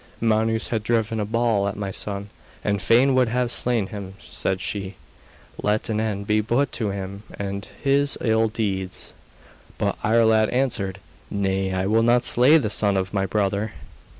'Manus has driven a ball at my son, and fain would have slain him,' said she. 'Let an end be put to him and his ill deeds.' But Iarlaid answered: 'Nay, I will not slay the son of my brother.